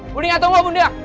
bunia tunggu bunia